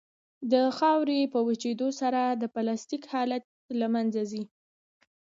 د خاورې په وچېدو سره پلاستیک حالت له منځه ځي